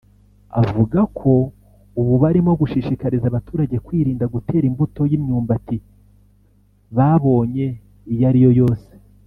avuga ko ubu barimo gushishikariza abaturage kwirinda gutera imbuto y’imyumbati babonye iyo ariyo yose